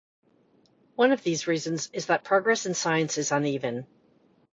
One of these reasons is that progress in science is uneven.